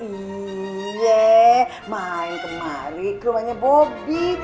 iya main kemari ke rumahnya bobi